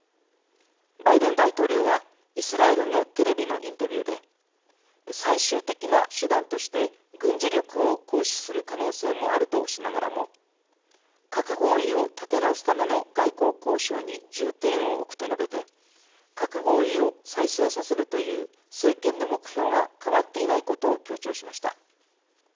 バイデン大統領はイスラエルのテレビのインタビューで「最終的な手段として軍事力を行使する可能性もある」としながらも「核合意を立て直すための外交交渉に重点を置く」と述べて核合意を再生させるという政権の目標が変わっていないことを強調しました。